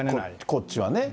こっちはね。